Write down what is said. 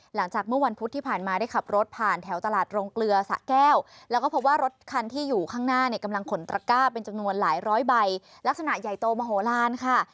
หลังจากเมื่อวันพุธที่ผ่านมาได้ขับรถผ่านแถวตลาดโรงเกลือสะแก้วแล้วก็พบว่ารถคันที่อยู่ข้างหน้าเนี่ยกำลังขนตระก้าเป็นจำนวนหลายร้อยใบลักษณะใหญ่โตมโหลานค่ะ